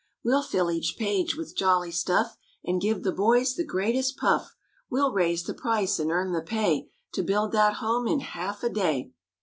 We'll fill each page with jolly stuff And give the boys the greatest puff. We'll raise the price and earn the pay To build that home in half a day."